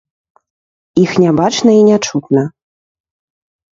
Іх не бачна і не чутна.